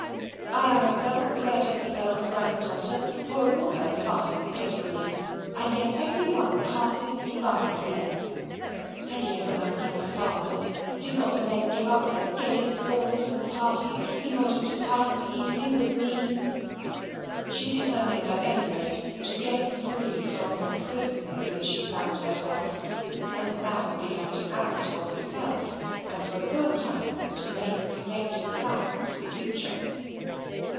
I am as well bred as the Earl's grand daughter, for all her fine pedigree; and yet every one passes me by here. And yet, when I was at my father's, did not the men give up their gayest balls and parties in order to pass the evening with me?" She determined at any rate to get free from the prison in which she found herself, and now began to act for herself, and for the first time to make connected plans for the future.